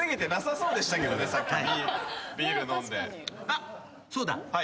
あっそうだ。